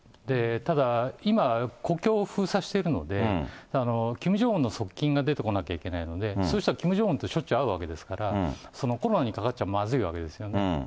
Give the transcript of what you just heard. ただ、今、国境を封鎖しているので、キム・ジョンウンの側近が出てこなきゃいけないので、その人はキム・ジョンウンとしょっちゅう会うわけですから、コロナにかかっちゃまずいわけですよね。